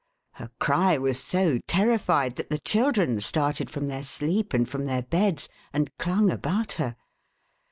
Her cry was so terrified, that the children started from their sleep and from their beds, and clung about her.